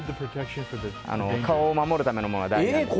顔を守るためのものなので。